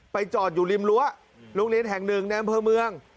ไปจอดอยู่ริมลั้วโรงเรียนแห่ง๑แนมเพอร์เมือง